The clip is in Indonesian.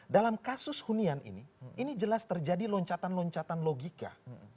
dalam kasus hunian ini ini jelas terjadi loncatan loncatan logika